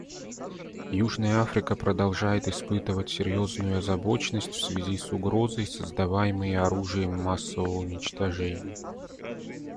Южная Африка продолжает испытывать серьезную озабоченность в связи с угрозой, создаваемой оружием массового уничтожения.